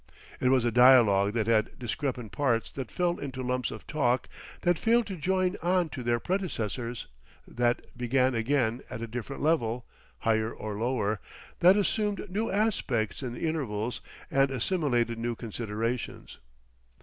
It was a dialogue that had discrepant parts that fell into lumps of talk that failed to join on to their predecessors, that began again at a different level, higher or lower, that assumed new aspects in the intervals and assimilated new considerations.